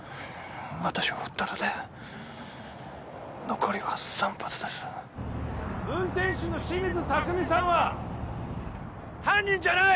私を撃ったので残りは３発です運転手の清水拓海さんは犯人じゃない！